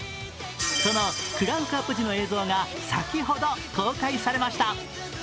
そのクランクアップの映像が先ほど公開されました。